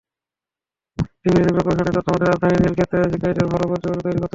ডিবির যুগ্ম কমিশনারের তথ্যমতে, রাজধানীর নীলক্ষেতে শিক্ষার্থীদের জাল পরিচয়পত্র তৈরি করতেন মাসুম।